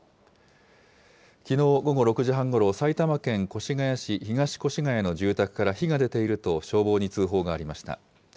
きのう午後６時半ごろ、埼玉県越谷市東越谷の住宅から火が出ていると消防に通報がありました。